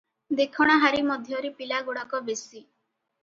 ଦେଖଣାହାରୀ ମଧ୍ୟରେ ପିଲାଗୁଡାକ ବେଶି ।